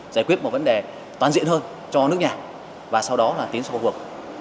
giải quyết một vấn đề toàn diện hơn cho nước nhà và sau đó là tiến sâu cuộc